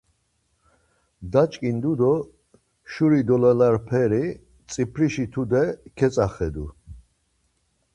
Daç̌ǩindu do şuri dololaperi tziprişi tude ketzaxedu.